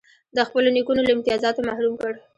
د خپلو نیکونو له امتیازاتو محروم کړ.